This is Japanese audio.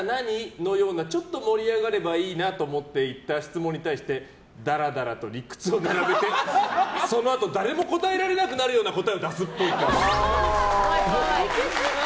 のようなちょっと盛り上がればいいなと思っていた質問に対してだらだらと理屈を並べてそのあと誰も答えられなくなるような答えを出すっぽい。